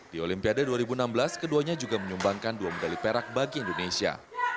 di olimpiade dua ribu enam belas keduanya juga menyumbangkan dua medali perak bagi indonesia